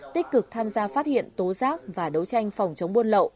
tích cực tham gia phát hiện tố giác và đấu tranh phòng chống buôn lậu